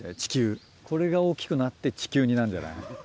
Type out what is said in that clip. これが大きくなって地球になるんじゃない？